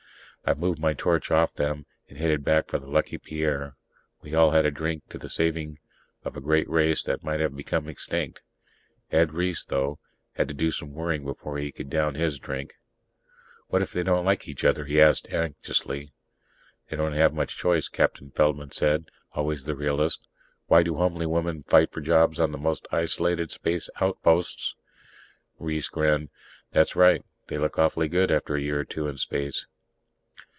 I moved my torch off them and headed back for the Lucky Pierre. We all had a drink to the saving of a great race that might have become extinct. Ed Reiss, though, had to do some worrying before he could down his drink. "What if they don't like each other?" he asked anxiously. "They don't have much choice," Captain Feldman said, always the realist. "Why do homely women fight for jobs on the most isolated space outposts?" Reiss grinned. "That's right. They look awful good after a year or two in space."